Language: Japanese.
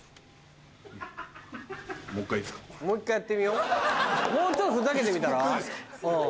もう一回やってみようもうちょっとふざけてみたら？